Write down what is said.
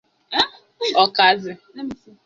ọkazị